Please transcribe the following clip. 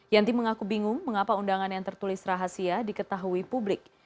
yanti mengaku bingung mengapa undangan yang tertulis rahasia diketahui publik